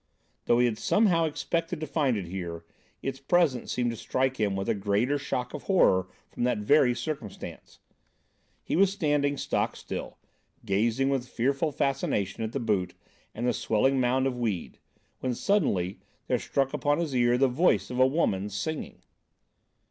Though he had somehow expected to find it here, its presence seemed to strike him with a greater shock of horror from that very circumstance. He was standing stock still, gazing with fearful fascination at the boot and the swelling mound of weed, when, suddenly, there struck upon his ear the voice of a woman, singing.